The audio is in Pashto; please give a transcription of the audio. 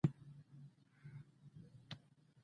عبدالهادي پخپله ښه غيرتي ځوان و.